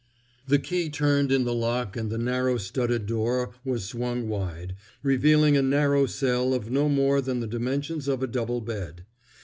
The key turned in the lock and the narrow studded door was swung wide, revealing a narrow cell of no more than the dimensions of a double bed.